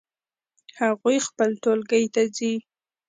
هغوی خپل ټولګی ته ځي